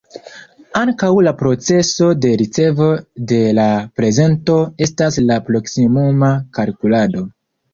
Ankaŭ la procezo de ricevo de la prezento estas la "proksimuma kalkulado".